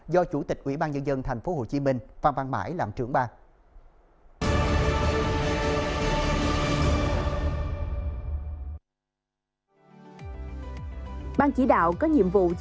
do chủ tịch quỹ ban dân dân tp hcm pham văn mãi làm trưởng ban